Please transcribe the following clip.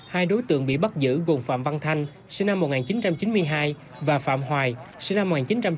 hai đối tượng bị bắt giữ gồm phạm văn thanh sinh năm một nghìn chín trăm chín mươi hai và phạm hoài sinh năm một nghìn chín trăm tám mươi